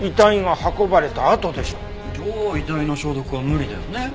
じゃあ遺体の消毒は無理だよね。